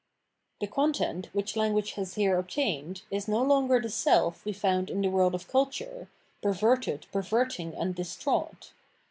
The content, which language has here obtained, is no longer the self we found in the world of culture, perverted, perverting, and distraught.